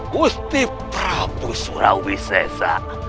gusti prabu surawisesa